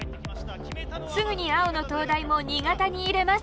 すぐに青の東大も２型に入れます。